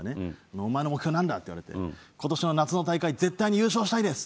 「お前の目標なんだ？」って言われて「今年の夏の大会絶対に優勝したいです！」